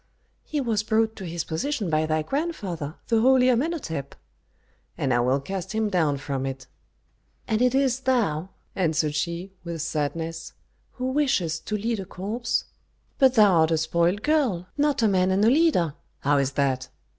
"He was brought to his position by thy grandfather, the holy Amenhôtep." "And I will cast him down from it." The mother shrugged her shoulders. "And it is thou," answered she, with sadness, "who wishest to lead a corps? But thou art a spoiled girl, not a man and a leader " "How is that?"